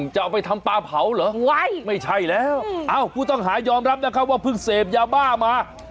จะเอาไปทำปลาเผาเหรอไม่ใช่แล้วผู้ต้องหายอมรับนะครับว่าเพิ่งเสพยาบ้ามา